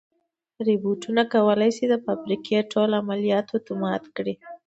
روبوټونه کولی شي د فابریکې ټول عملیات اتومات کړي.